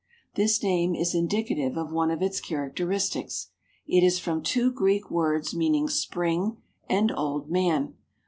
This name is indicative of one of its characteristics. It is from two Greek words meaning spring and old man.